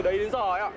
từ đấy đến giờ ấy ạ